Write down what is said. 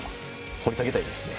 掘り下げたいですね。